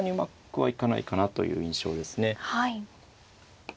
はい。